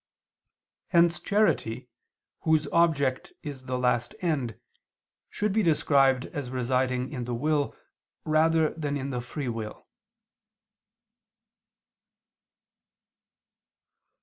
Hence charity, whose object is the last end, should be described as residing in the will rather than in the free will.